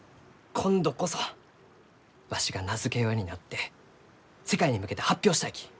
今度こそわしが名付け親になって世界に向けて発表したいき。